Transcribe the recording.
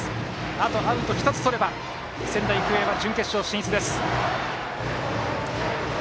あとアウト１つとれば仙台育英は準決勝進出。